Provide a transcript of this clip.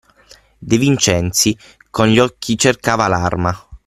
De Vincenzi con gli occhi cercava l'arma.